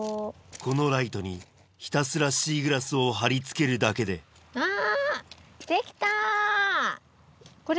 このライトにひたすらシーグラスを貼り付けるだけであぁ！